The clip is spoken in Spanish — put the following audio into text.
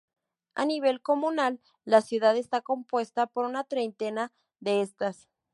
A nivel comunal, la ciudad está compuesta por una treintena de estas.